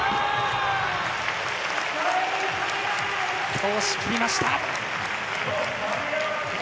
通しきりました。